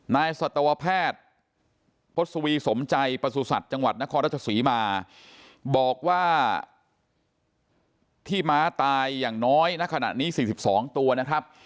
สัตวแพทย์พศวีสมใจประสุทธิ์จังหวัดนครราชศรีมาบอกว่าที่ม้าตายอย่างน้อยณขณะนี้๔๒ตัวนะครับ